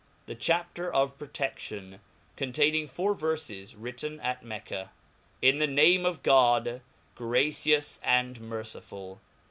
The Chapter of Protenion, contdningfouri Verfes , written M Mecca. TN the name of God, gracious and merciful!.